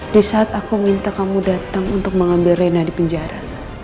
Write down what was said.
di saat aku minta kamu datang untuk mengambil rena di penjara